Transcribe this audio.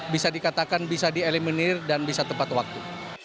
bisa dikatakan bisa dieliminir dan bisa tepat waktu